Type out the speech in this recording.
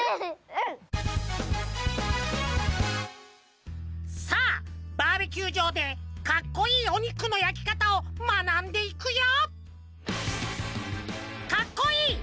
うん！さあバーベキューじょうでかっこいいおにくのやきかたをまなんでいくよ！